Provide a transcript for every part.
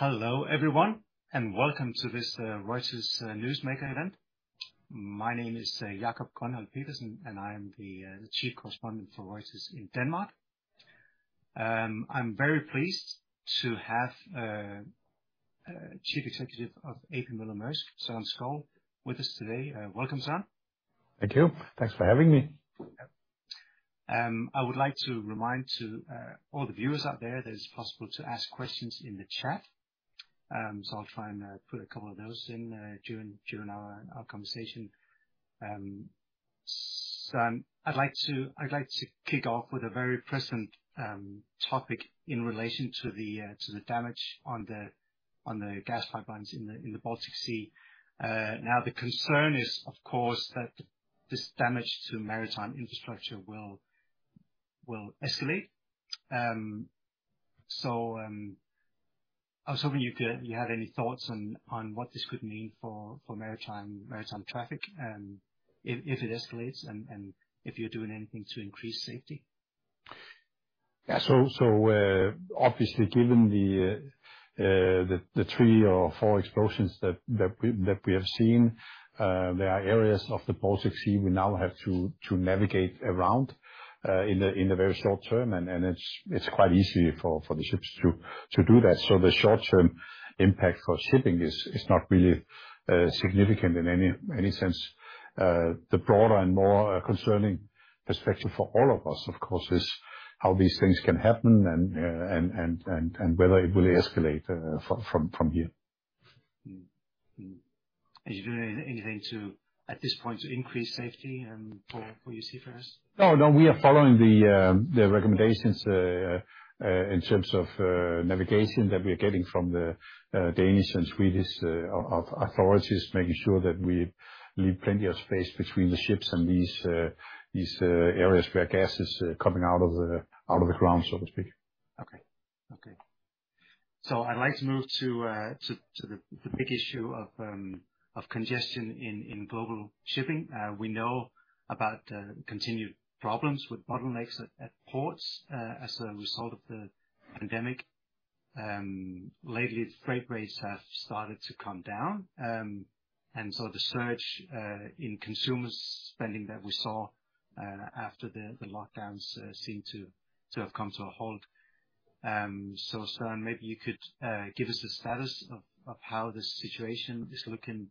Hello everyone, and welcome to this Reuters Newsmaker event. My name is Jacob Gronholt-Pedersen, and I am the chief correspondent for Reuters in Denmark. I'm very pleased to have Chief Executive of A.P. Moller-Maersk, Søren Skou, with us today. Welcome, Søren. Thank you. Thanks for having me. I would like to remind to all the viewers out there that it's possible to ask questions in the chat. I'll try and put a couple of those in during our conversation. Søren, I'd like to kick off with a very present topic in relation to the damage on the gas pipelines in the Baltic Sea. Now, the concern is of course that this damage to maritime infrastructure will escalate. I was hoping you could you had any thoughts on what this could mean for maritime traffic, if it escalates and if you're doing anything to increase safety. Yeah. Obviously, given the three or four explosions that we have seen, there are areas of the Baltic Sea we now have to navigate around in the very short term, and it's quite easy for the ships to do that. The short-term impact for shipping is not really significant in any sense. The broader and more concerning perspective for all of us, of course, is how these things can happen and whether it will escalate from here. Are you doing anything to, at this point, to increase safety and for your seafarers? No, we are following the recommendations in terms of navigation that we are getting from the Danish and Swedish authorities, making sure that we leave plenty of space between the ships and these areas where gas is coming out of the ground, so to speak. I'd like to move to the big issue of congestion in global shipping. We know about continued problems with bottlenecks at ports as a result of the pandemic. Lately freight rates have started to come down, and so the surge in consumer spending that we saw after the lockdowns seem to have come to a halt. Søren, maybe you could give us a status of how the situation is looking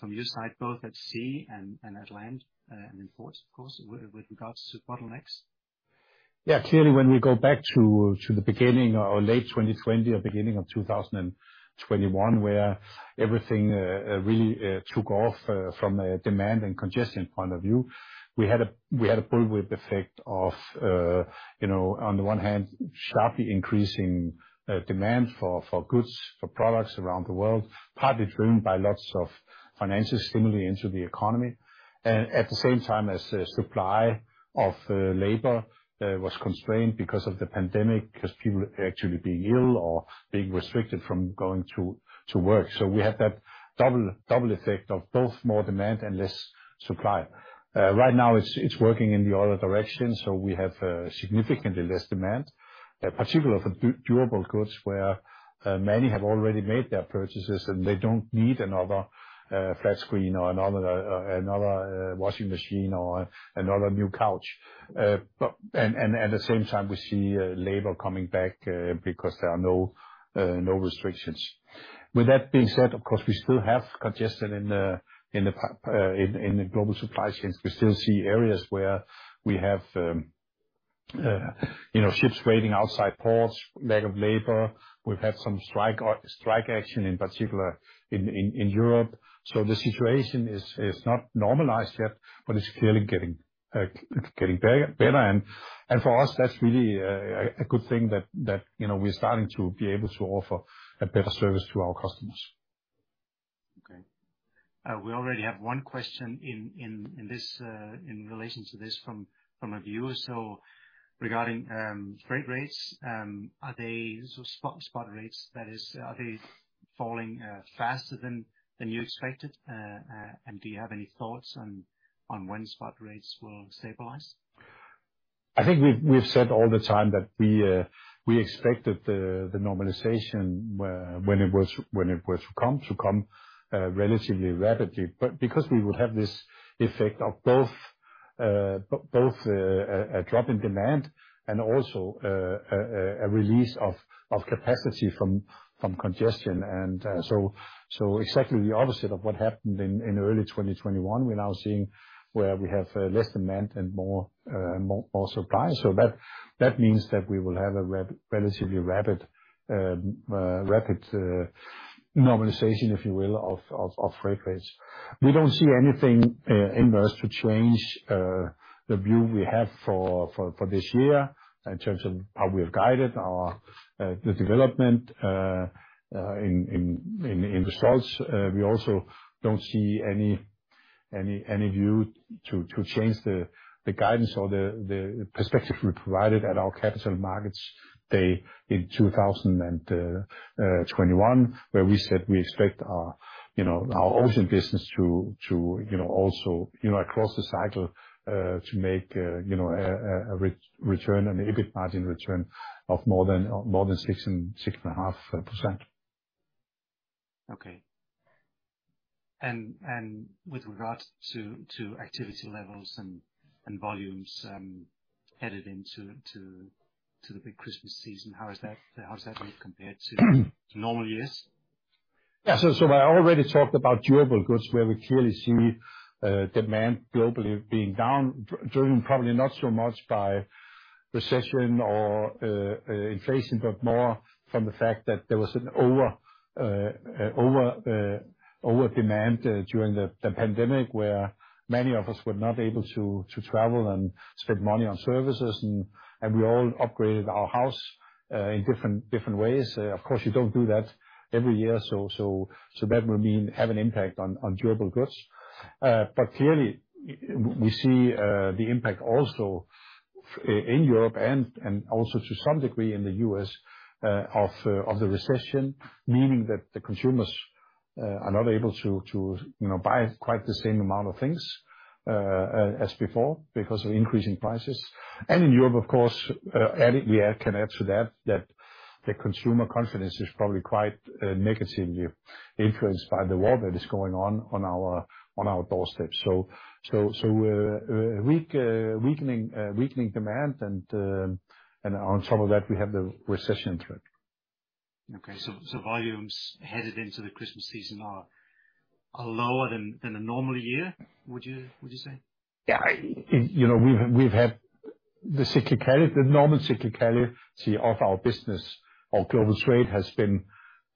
from your side, both at sea and at land, and in ports of course, with regards to bottlenecks. Yeah. Clearly, when we go back to the beginning or late 2020 or beginning of 2021, where everything really took off from a demand and congestion point of view, we had a perfect storm of, you know, on the one hand sharply increasing demand for goods for products around the world, partly driven by lots of financial stimuli into the economy. At the same time, supply of labor was constrained because of the pandemic, 'cause people actually being ill or being restricted from going to work. We had that double effect of both more demand and less supply. Right now it's working in the other direction, so we have significantly less demand, particularly for durable goods, where many have already made their purchases and they don't need another flat screen or another washing machine or another new couch. And at the same time, we see labor coming back because there are no restrictions. With that being said, of course, we still have congestion in the global supply chains. We still see areas where we have you know, ships waiting outside ports, lack of labor. We've had some strike action in particular in Europe. The situation is not normalized yet, but it's clearly getting better. For us, that's really a good thing that you know, we're starting to be able to offer a better service to our customers. Okay. We already have one question in this in relation to this from a viewer. Regarding freight rates, spot rates, that is, are they falling faster than you expected? And do you have any thoughts on when spot rates will stabilize? I think we've said all the time that we expect that the normalization when it was to come, relatively rapidly. Because we would have this effect of both a drop in demand and also a release of capacity from congestion. Exactly the opposite of what happened in early 2021. We're now seeing where we have less demand and more supply. That means that we will have a relatively rapid normalization, if you will, of freight rates. We don't see anything in there to change the view we have for this year in terms of how we have guided the development in results. We also don't see any view to change the guidance or the perspective we provided at our Capital Markets Day in 2021, where we said we expect our, you know, our ocean business to you know also you know across the cycle to make you know a return, an EBIT margin return of more than 6.5%. With regard to activity levels and volumes headed into the big Christmas season, how does that look compared to normal years? Yeah. I already talked about durable goods, where we clearly see demand globally being down, driven probably not so much by recession or inflation, but more from the fact that there was an over demand during the pandemic, where many of us were not able to travel and spend money on services and we all upgraded our house in different ways. Of course, you don't do that every year, so that will mean have an impact on durable goods. Clearly we see the impact also in Europe and also to some degree in the US of the recession, meaning that the consumers are not able to you know buy quite the same amount of things as before because of increasing prices. In Europe, of course, adding can add to that that the consumer confidence is probably quite negatively influenced by the war that is going on on our doorsteps. Weakening demand and on top of that, we have the recession threat. Okay. Volumes headed into the Christmas season are lower than a normal year, would you say? Yeah. You know, we've had the cyclicality, the normal cyclicality of our business or global trade has been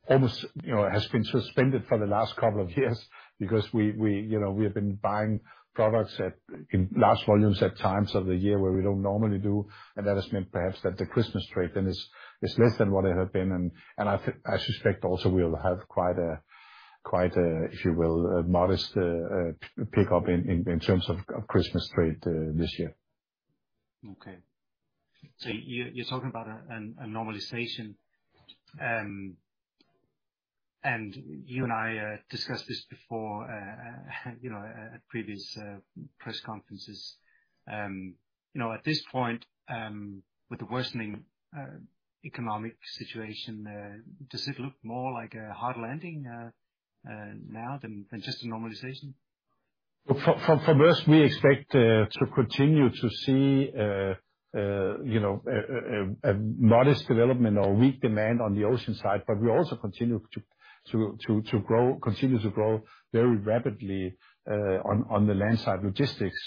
almost, you know, has been suspended for the last couple of years because we, you know, we have been buying products at in large volumes at times of the year where we don't normally do. That has meant perhaps that the Christmas trade then is less than what it had been. I suspect also we'll have quite a, if you will, a modest pickup in terms of Christmas trade this year. Okay. You're talking about a normalization. You and I discussed this before, you know, at previous press conferences. You know, at this point, with the worsening economic situation, does it look more like a hard landing now than just a normalization? Well, for us, we expect to continue to see, you know, a modest development or weak demand on the ocean side, but we also continue to grow very rapidly on the land side logistics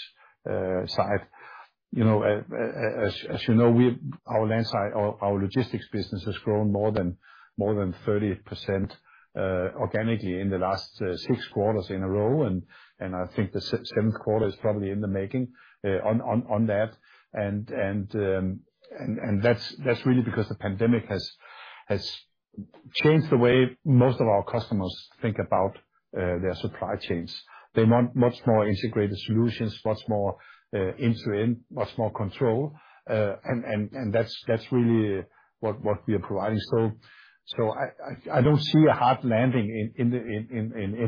side. You know, as you know, we, our land side, our logistics business has grown more than 30%, organically in the last six quarters in a row. I think the seventh quarter is probably in the making on that. That's really because the pandemic has changed the way most of our customers think about their supply chains. They want much more integrated solutions, much more end-to-end, much more control. That's really what we are providing. I don't see a hard landing in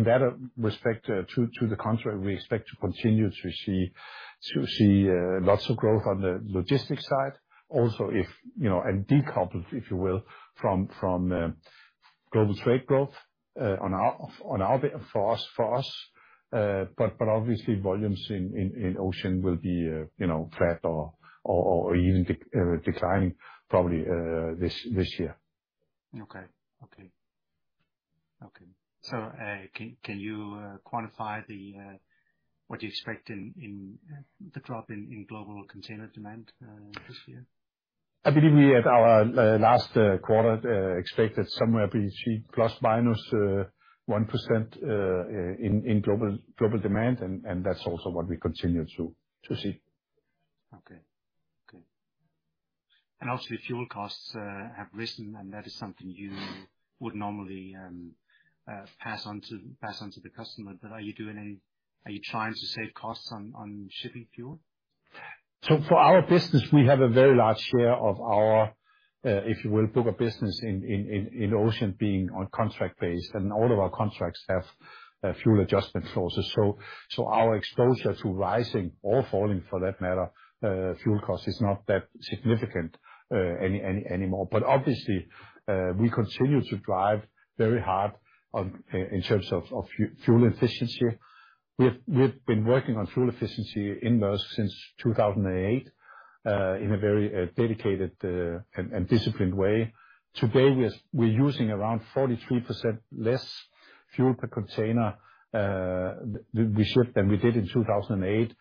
that respect. To the contrary, we expect to continue to see lots of growth on the logistics side. Also, if you know, and decoupled, if you will, from global trade growth, on our end, for us. Obviously volumes in ocean will be flat or even declining probably this year. Can you quantify what you expect in the drop in global container demand this year? I believe we at our last quarter expected somewhere between plus/minus 1% in global demand, and that's also what we continue to see. Okay. Obviously fuel costs have risen, and that is something you would normally pass on to the customer. But are you doing any? Are you trying to save costs on shipping fuel? For our business, we have a very large share of our, if you will, book of business in ocean being on contract basis, and all of our contracts have fuel adjustment clauses. Our exposure to rising or falling, for that matter, fuel costs is not that significant anymore. Obviously, we continue to drive very hard on, in terms of, fuel efficiency. We've been working on fuel efficiency in Maersk since 2008 in a very dedicated and disciplined way. Today, we're using around 43% less fuel per container than we did in 2008.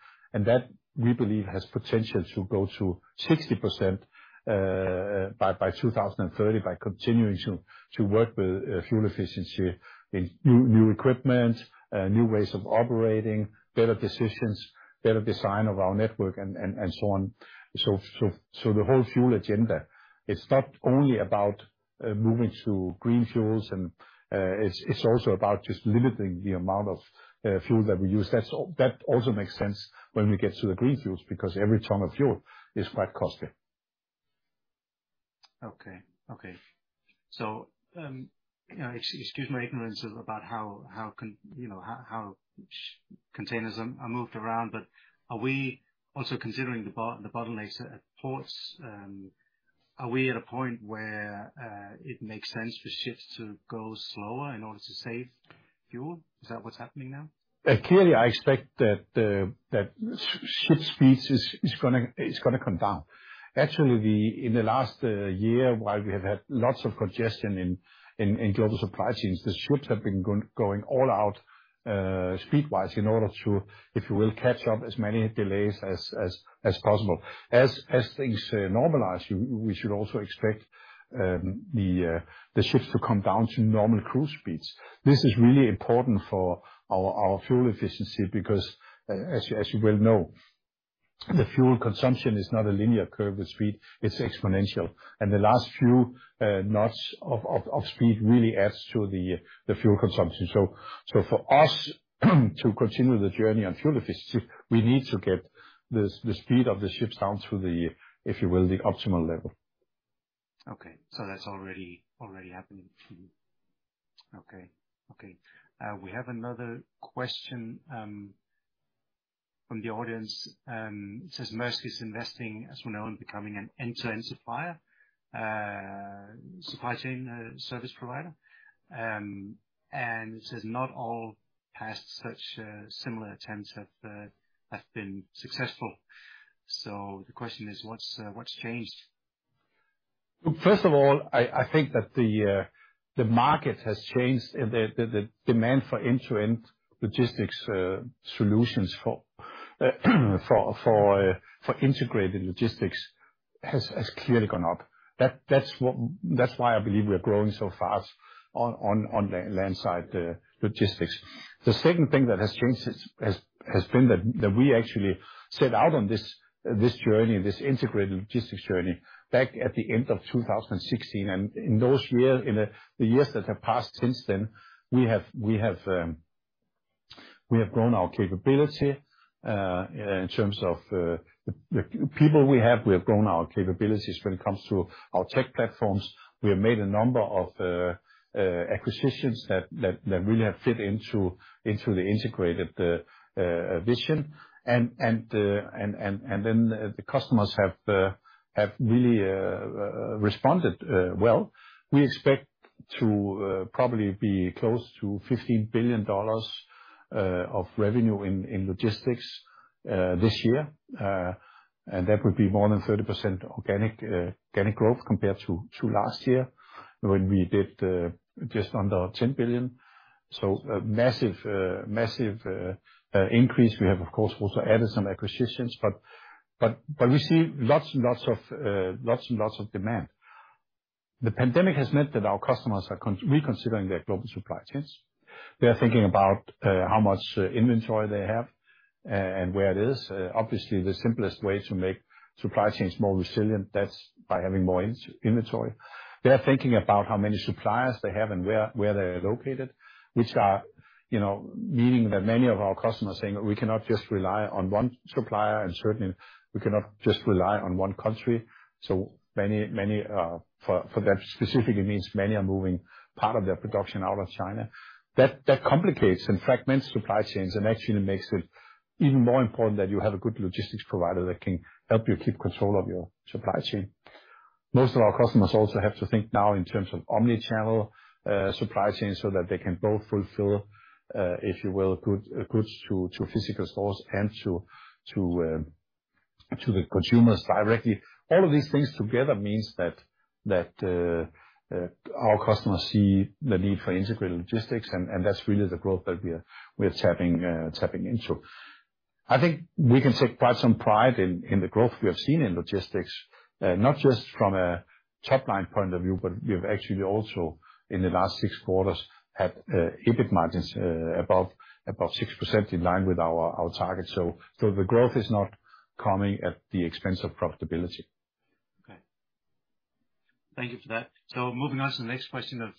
That, we believe, has potential to go to 60% by 2030 by continuing to work with fuel efficiency in new equipment, new ways of operating, better decisions, better design of our network and so on. The whole fuel agenda, it's not only about moving to green fuels and it's also about just limiting the amount of fuel that we use. That's all. That also makes sense when we get to the green fuels, because every ton of fuel is quite costly. Okay. You know, excuse my ignorance about how you know how containers are moved around. Are we also considering the bottlenecks at ports? Are we at a point where it makes sense for ships to go slower in order to save fuel? Is that what's happening now? Clearly, I expect that ship speed is gonna come down. Actually, in the last year, while we have had lots of congestion in global supply chains, the ships have been going all out speed-wise in order to, if you will, catch up as many delays as possible. As things normalize, we should also expect the ships to come down to normal cruise speeds. This is really important for our fuel efficiency because as you well know, the fuel consumption is not a linear curve with speed, it's exponential. The last few knots of speed really adds to the fuel consumption. For us to continue the journey on fuel efficiency, we need to get the speed of the ships down to the, if you will, the optimal level. Okay. That's already happening. We have another question from the audience. It says, "Maersk is investing, as we know, in becoming an end-to-end supplier, supply chain, service provider." And it says, "Not all past such, similar attempts have been successful." The question is: What's changed? First of all, I think that the market has changed. The demand for end-to-end logistics solutions for integrated logistics has clearly gone up. That's why I believe we are growing so fast on the land side logistics. The second thing that has changed has been that we actually set out on this journey, this integrated logistics journey, back at the end of 2016. In the years that have passed since then, we have grown our capability in terms of the people we have. We have grown our capabilities when it comes to our tech platforms. We have made a number of acquisitions that really have fit into the integrated vision. The customers have really responded well. We expect to probably be close to $15 billion of revenue in logistics this year. That would be more than 30% organic growth compared to last year when we did just under $10 billion. A massive increase. We have, of course, also added some acquisitions. We see lots of demand. The pandemic has meant that our customers are reconsidering their global supply chains. They are thinking about how much inventory they have and where it is. Obviously, the simplest way to make supply chains more resilient, that's by having more in inventory. They're thinking about how many suppliers they have and where they're located, you know, meaning that many of our customers saying that we cannot just rely on one supplier, and certainly we cannot just rely on one country. Many for them specifically means many are moving part of their production out of China. That complicates and fragments supply chains and actually makes it even more important that you have a good logistics provider that can help you keep control of your supply chain. Most of our customers also have to think now in terms of omnichannel supply chains so that they can both fulfill, if you will, goods to physical stores and to the consumers directly. All of these things together means that our customers see the need for integrated logistics, and that's really the growth that we are, we're tapping into. I think we can take quite some pride in the growth we have seen in logistics, not just from a top-line point of view, but we've actually also, in the last six quarters, had EBIT margins above 6% in line with our target. The growth is not coming at the expense of profitability. Okay. Thank you for that. Moving on to the next question of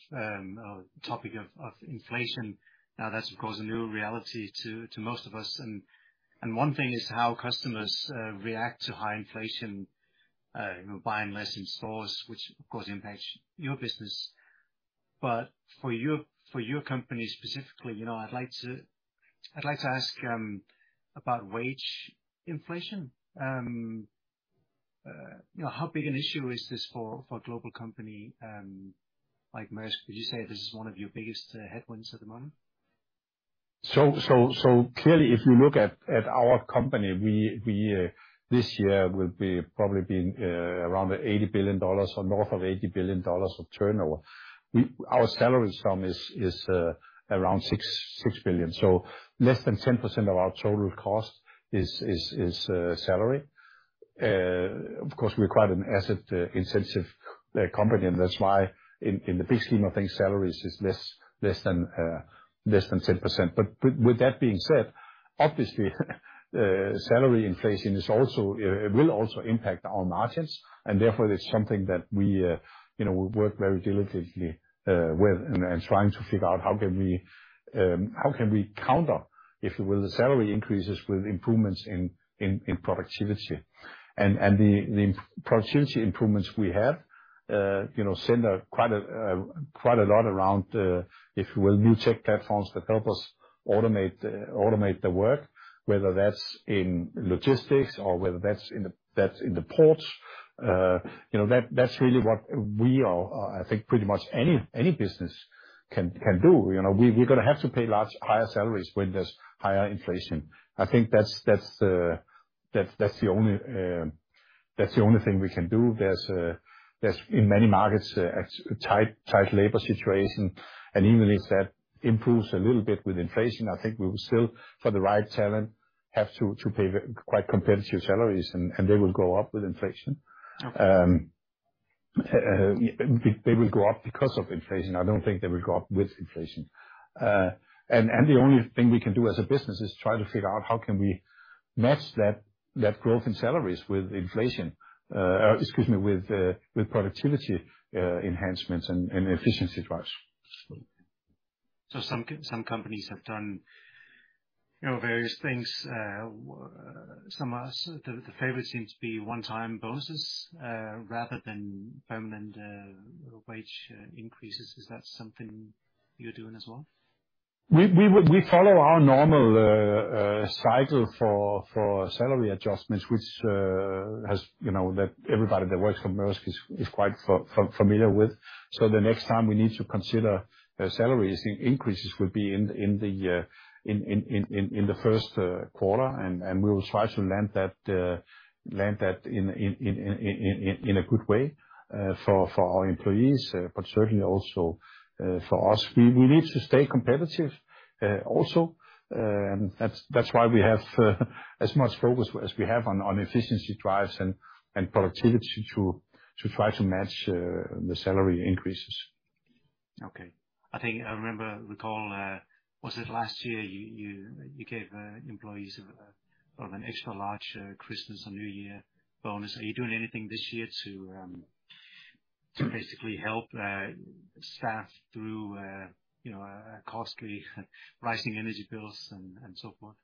topic of inflation. Now, that's of course a new reality to most of us. One thing is how customers react to high inflation, you know, buying less in stores, which of course impacts your business. For your company specifically, you know, I'd like to ask about wage inflation. You know, how big an issue is this for a global company like Maersk? Would you say this is one of your biggest headwinds at the moment? Clearly, if you look at our company, we this year will probably be around $80 billion or north of $80 billion of turnover. Our salary sum is around $6 billion. Less than 10% of our total cost is salary. Of course, we're quite an asset intensive company, and that's why in the big scheme of things, salaries is less than 10%. But with that being said, obviously, salary inflation will also impact our margins, and therefore it's something that we you know, we work very diligently with and trying to figure out how can we counter, if you will, the salary increases with improvements in productivity. The productivity improvements we have, you know, sent out quite a lot around new tech platforms to help us automate the work, whether that's in logistics or whether that's in the ports. You know, that's really what we are. I think pretty much any business can do. You know, we're gonna have to pay higher salaries when there's higher inflation. I think that's the only thing we can do. There's in many markets a tight labor situation, and even if that improves a little bit with inflation, I think we would still, for the right talent, have to pay quite competitive salaries, and they will go up with inflation. Okay. They will go up because of inflation. I don't think they will go up with inflation. The only thing we can do as a business is try to figure out how we can match that growth in salaries with productivity enhancements and efficiency drives. Some companies have done, you know, various things. Some are. The favorite seems to be one-time bonuses rather than permanent wage increases. Is that something you're doing as well? We follow our normal cycle for salary adjustments, which has, you know, that everybody that works for Maersk is quite familiar with. The next time we need to consider salary increases would be in the Q1, and we will try to land that in a good way for our employees, but certainly also for us. We need to stay competitive, also, that's why we have as much focus as we have on efficiency drives and productivity to try to match the salary increases. Okay. I think I remember, recall, was it last year you gave employees sort of an extra large Christmas and New Year bonus. Are you doing anything this year to basically help staff through you know costly rising energy bills and so forth?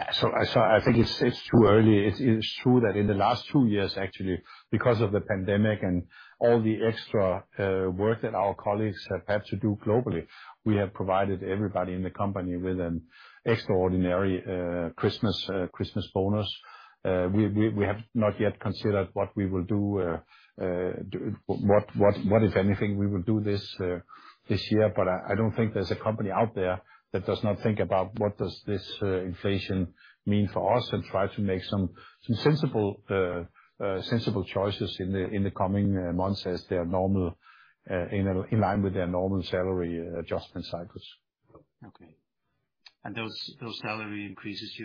I think it's too early. It is true that in the last two years, actually, because of the pandemic and all the extra work that our colleagues have had to do globally, we have provided everybody in the company with an extraordinary Christmas bonus. We have not yet considered what, if anything, we will do this year. I don't think there's a company out there that does not think about what this inflation means for us and try to make some sensible choices in the coming months in line with their normal salary adjustment cycles. Okay. Those salary increases,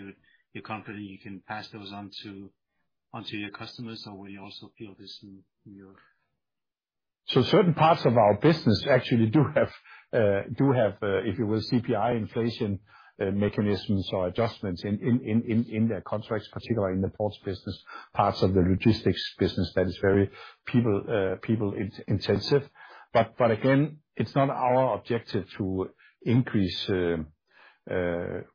you're confident you can pass those on to your customers, or will you also feel this in your- Certain parts of our business actually do have, if you will, CPI inflation mechanisms or adjustments in their contracts, particularly in the ports business, parts of the logistics business that is very people-intensive. Again, it's not our objective to increase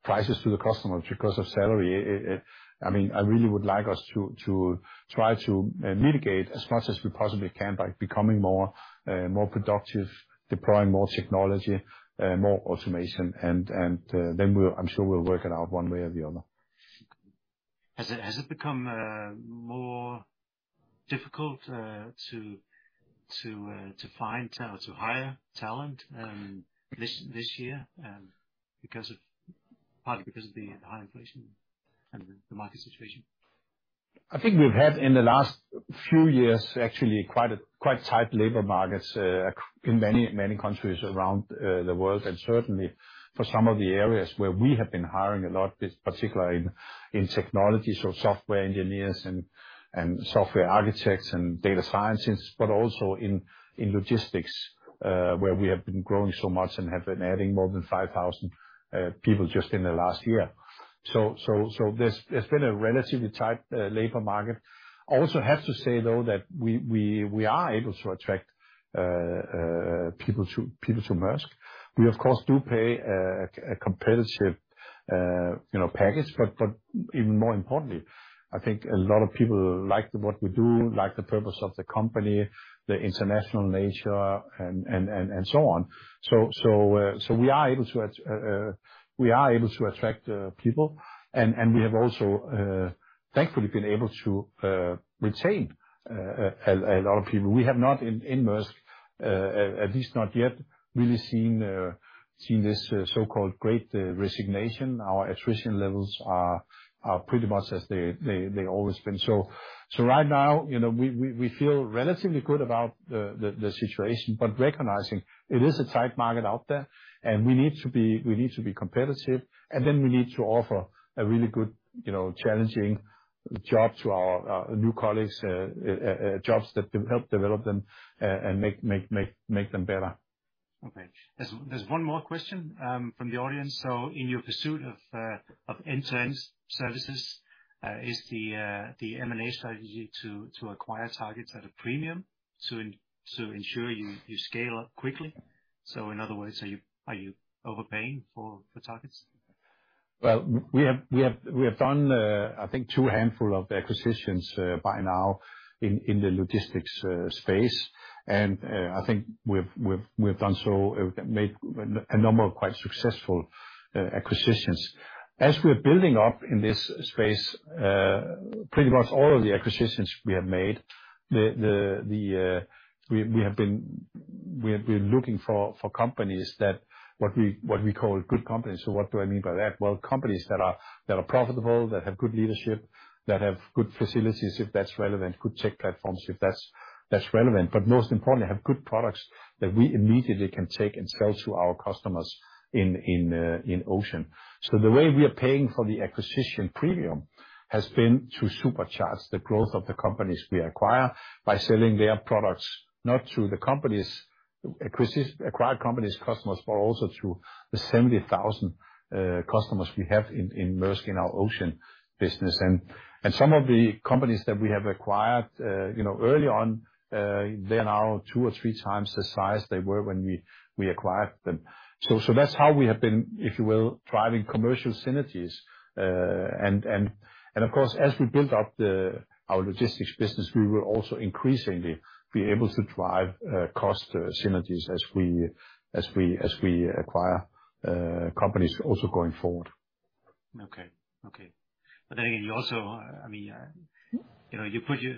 prices to the customers because of salary. I mean, I really would like us to try to mitigate as much as we possibly can by becoming more productive, deploying more technology, more automation, and then we'll—I'm sure we'll work it out one way or the other. Has it become more difficult to find talent, to hire talent, this year, because of, partly because of the high inflation and the market situation? I think we've had in the last few years actually quite tight labor markets in many countries around the world. Certainly for some of the areas where we have been hiring a lot, particularly in technology, so software engineers and software architects and data scientists, but also in logistics, where we have been growing so much and have been adding more than 5,000 people just in the last year. There's, it's been a relatively tight labor market. Also have to say, though, that we are able to attract people to Maersk. We of course do pay a competitive you know package. Even more importantly, I think a lot of people like what we do, like the purpose of the company, the international nature and so on. We are able to attract people and we have also thankfully been able to retain a lot of people. We have not in Maersk at least not yet really seen this so-called Great Resignation. Our attrition levels are pretty much as they've always been. Right now, you know, we feel relatively good about the situation, but recognizing it is a tight market out there, and we need to be competitive, and then we need to offer a really good, you know, challenging job to our new colleagues, jobs that help develop them, and make them better. Okay. There's one more question from the audience. In your pursuit of end-to-end services, is the M&A strategy to acquire targets at a premium to ensure you scale up quickly? In other words, are you overpaying for targets? Well, we have done, I think two handfuls of acquisitions by now in the logistics space. I think we've made a number of quite successful acquisitions. As we're building up in this space, pretty much all of the acquisitions we have made. We're looking for companies that what we call good companies. What do I mean by that? Well, companies that are profitable, that have good leadership, that have good facilities, if that's relevant, good tech platforms, if that's relevant. Most importantly, have good products that we immediately can take and sell to our customers in ocean. The way we are paying for the acquisition premium has been to supercharge the growth of the companies we acquire by selling their products, not to the acquired company's customers, but also to the 70,000 customers we have in Maersk, in our ocean business. Of course, as we build up our logistics business, we will also increasingly be able to drive cost synergies as we acquire companies also going forward. Okay. You also, I mean, you know,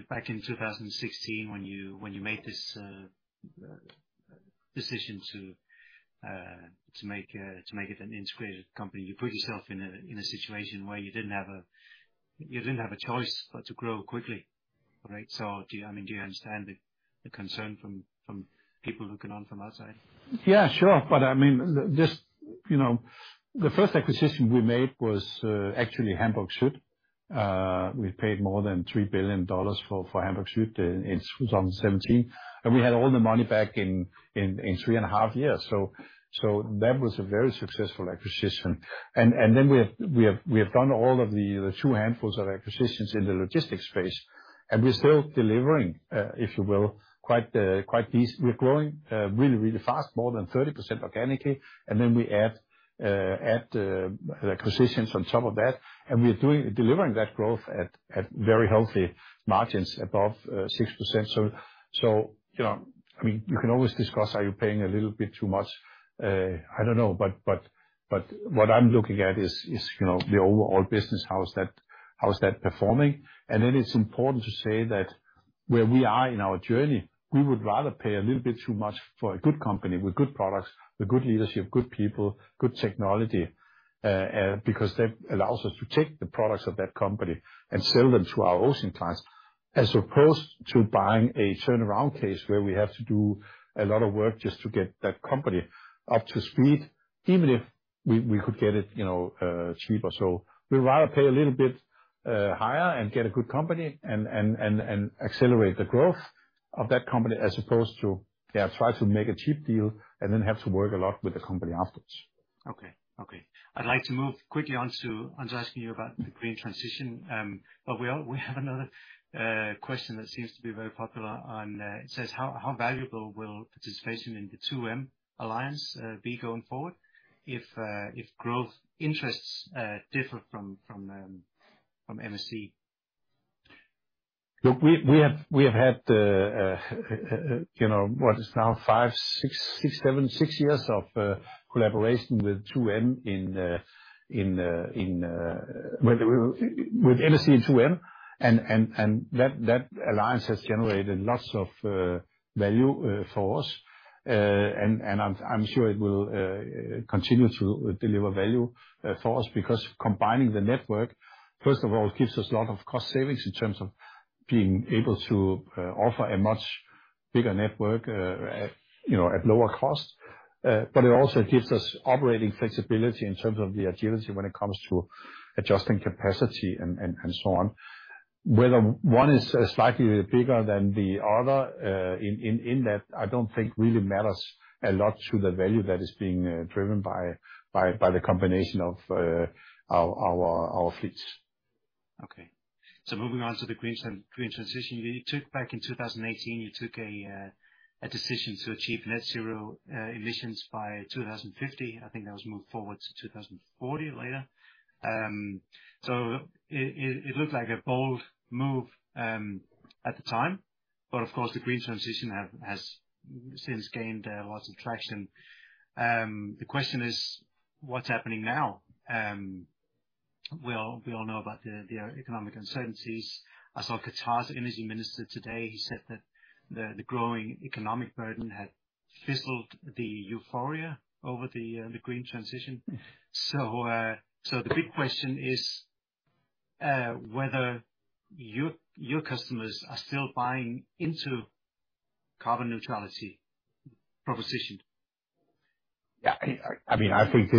back in 2016, when you made this decision to make it an integrated company, you put yourself in a situation where you didn't have a choice but to grow quickly, right? Do you, I mean, do you understand the concern from people looking on from outside? Yeah, sure. I mean, this, you know, the first acquisition we made was actually Hamburg Süd. We paid more than $3 billion for Hamburg Süd in 2017. We had all the money back in three and a half years. That was a very successful acquisition. Then we have done all of the two handfuls of acquisitions in the logistics space, and we're still delivering, if you will, quite decent. We're growing really, really fast, more than 30% organically. Then we add acquisitions on top of that, and we're delivering that growth at very healthy margins above 6%. You know, I mean, you can always discuss, are you paying a little bit too much? I don't know. What I'm looking at is, you know, the overall business, how's that performing? It's important to say that where we are in our journey, we would rather pay a little bit too much for a good company with good products, with good leadership, good people, good technology, because that allows us to take the products of that company and sell them to our ocean clients, as opposed to buying a turnaround case where we have to do a lot of work just to get that company up to speed, even if we could get it, you know, cheaper. We'd rather pay a little bit higher and get a good company and accelerate the growth of that company as opposed to, yeah, try to make a cheap deal and then have to work a lot with the company afterwards. Okay. I'd like to move quickly on to asking you about the green transition. We all, we have another question that seems to be very popular, and it says, "How valuable will participation in the 2M Alliance be going forward if growth interests differ from MSC? Look, we have had, you know, what is now six years of collaboration with 2M with MSC 2M, and that alliance has generated lots of value for us. I'm sure it will continue to deliver value for us because combining the network, first of all, gives us a lot of cost savings in terms of being able to offer a much bigger network, you know, at lower cost. It also gives us operating flexibility in terms of the agility when it comes to adjusting capacity and so on. Whether one is slightly bigger than the other, in that, I don't think really matters a lot to the value that is being driven by the combination of our fleets. Moving on to the green transition. You took back in 2018 a decision to achieve net zero emissions by 2050. I think that was moved forward to 2040 later. It looked like a bold move at the time, but of course, the green transition has since gained lots of traction. The question is, what's happening now? We all know about the economic uncertainties. I saw Qatar's energy minister today. He said that the growing economic burden had fizzled the euphoria over the green transition. The big question is whether your customers are still buying into carbon neutrality proposition. I mean, I think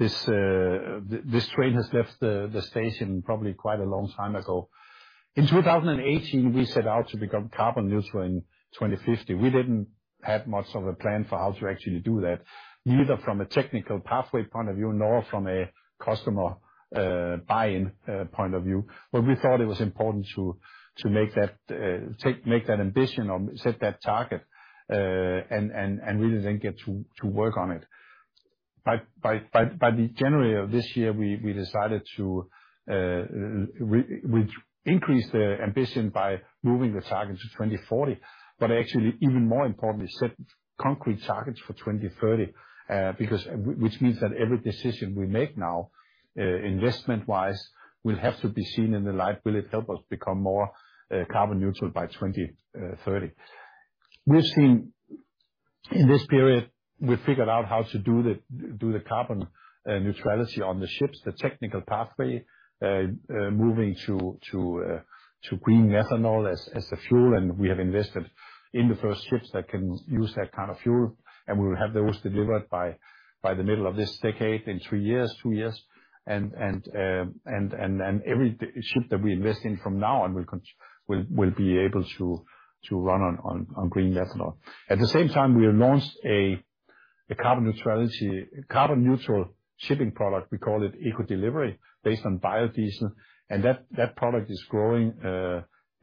this train has left the station probably quite a long time ago. In 2018, we set out to become carbon neutral in 2050. We didn't have much of a plan for how to actually do that, neither from a technical pathway point of view nor from a customer buy-in point of view. We thought it was important to make that ambition or set that target and really then get to work on it. By the January of this year, we increased the ambition by moving the target to 2040 but actually even more importantly set concrete targets for 2030. Because which means that every decision we make now, investment-wise, will have to be seen in the light, will it help us become more carbon neutral by 2030? In this period, we figured out how to do the carbon neutrality on the ships, the technical pathway. Moving to green methanol as the fuel. We have invested in the first ships that can use that kind of fuel, and we will have those delivered by the middle of this decade, in three years, two years. Every ship that we invest in from now on, will be able to run on green methanol. At the same time, we have launched a carbon neutral shipping product. We call it ECO Delivery, based on biodiesel. That product is growing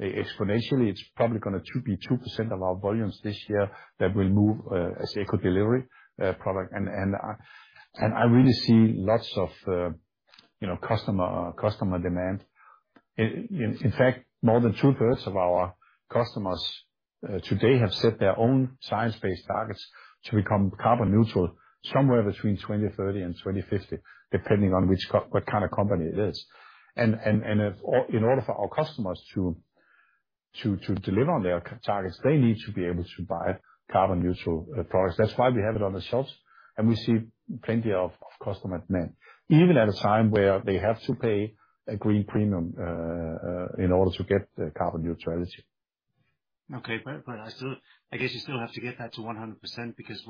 exponentially. It's probably gonna to be 2% of our volumes this year that we move as ECO Delivery product. I really see lots of, you know, customer demand. In fact, more than two-thirds of our customers today have set their own science-based targets to become carbon neutral somewhere between 2030 and 2050, depending on what kind of company it is. If, in order for our customers to deliver on their targets, they need to be able to buy carbon neutral products. That's why we have it on the shelves, and we see plenty of customer demand. Even at a time where they have to pay a green premium in order to get the carbon neutrality. Okay. I guess you still have to get that to 100%, because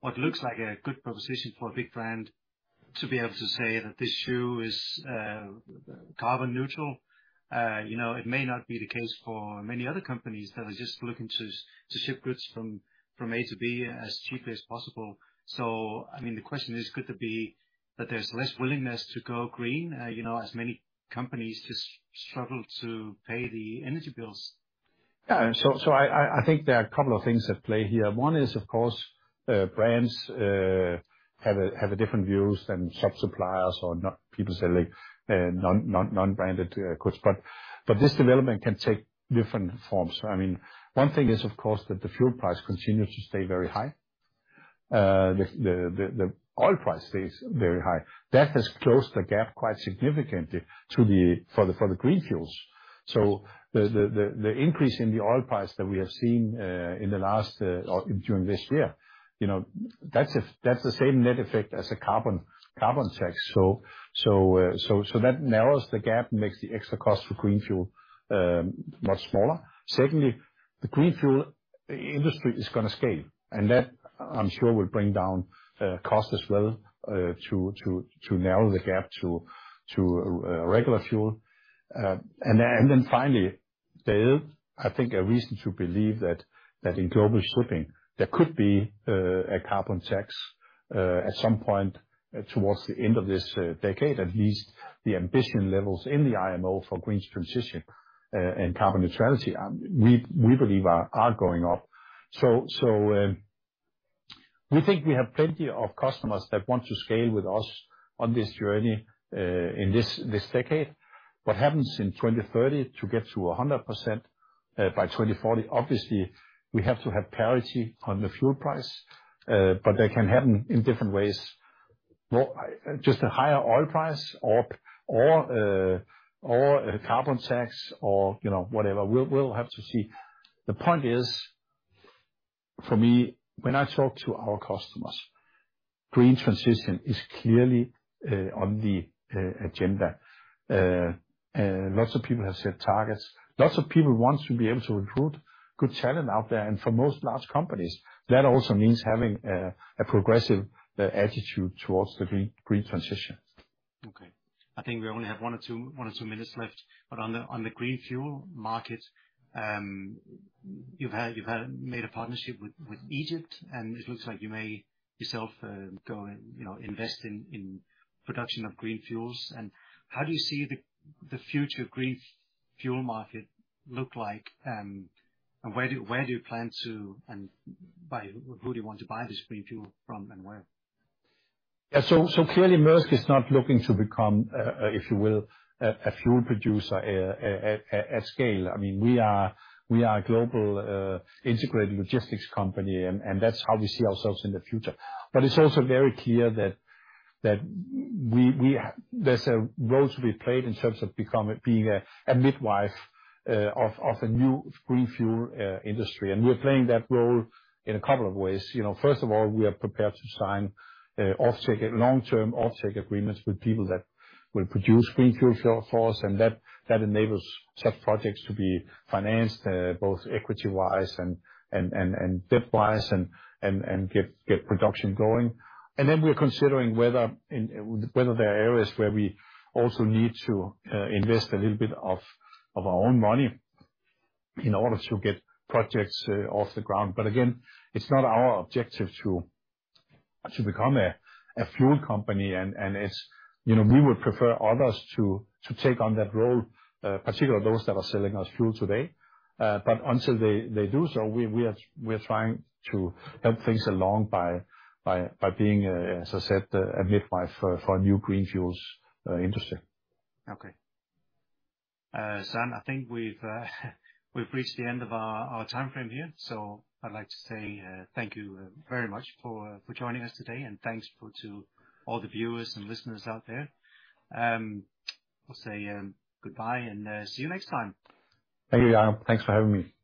what looks like a good proposition for a big brand to be able to say that this shoe is carbon neutral, you know, it may not be the case for many other companies that are just looking to ship goods from A to B as cheaply as possible. I mean, the question is, could there be that there's less willingness to go green, you know, as many companies just struggle to pay the energy bills? Yeah. I think there are a couple of things at play here. One is, of course, brands have different views than shop suppliers or people selling non-branded goods. But this development can take different forms. I mean, one thing is, of course, that the fuel price continues to stay very high. The oil price stays very high. That has closed the gap quite significantly to the green fuels. So the increase in the oil price that we have seen during this year, you know, that's the same net effect as a carbon tax. So that narrows the gap and makes the extra cost for green fuel much smaller. Secondly, the green fuel industry is gonna scale, and that, I'm sure, will bring down cost as well, to narrow the gap to regular fuel. Finally, there is, I think, a reason to believe that in global shipping there could be a carbon tax at some point towards the end of this decade. At least the ambition levels in the IMO for green transition and carbon neutrality, we believe are going up. We think we have plenty of customers that want to scale with us on this journey in this decade. What happens in 2030 to get to 100% by 2040, obviously, we have to have parity on the fuel price, but that can happen in different ways. Not just a higher oil price or a carbon tax or, you know, whatever. We'll have to see. The point is, for me, when I talk to our customers, green transition is clearly on the agenda. Lots of people have set targets. Lots of people want to be able to recruit good talent out there. For most large companies, that also means having a progressive attitude towards the green transition. Okay. I think we only have one or two minutes left. On the green fuel market, you've had made a partnership with Egypt, and it looks like you may yourself go and, you know, invest in production of green fuels. How do you see the future green fuel market look like? Who do you want to buy this green fuel from and where? Yeah. Clearly Maersk is not looking to become, if you will, a fuel producer at scale. I mean, we are a global integrated logistics company, and that's how we see ourselves in the future. But it's also very clear that. There's a role to be played in terms of being a midwife of the new green fuel industry. We're playing that role in a couple of ways. You know, first of all, we are prepared to sign long-term offtake agreements with people that will produce green fuel for us. That enables such projects to be financed both equity-wise and debt-wise, and get production going. We're considering whether there are areas where we also need to invest a little bit of our own money in order to get projects off the ground. Again, it's not our objective to become a fuel company. It's, you know, we would prefer others to take on that role, particularly those that are selling us fuel today. Until they do so, we're trying to help things along by being, as I said, a midwife for new green fuels industry. Okay. Søren, I think we've reached the end of our timeframe here, so I'd like to say thank you very much for joining us today. Thanks to all the viewers and listeners out there. We'll say goodbye and see you next time. Thank you. Thanks for having me.